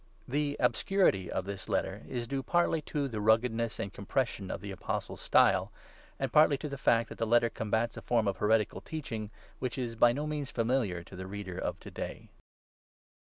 The obscurity of this Letter is due partly to the ruggedness and compression of the Apostle's style, and partly to the fact that the Letter combats a form of heretical teaching which is by no means familiar to the reader of to day.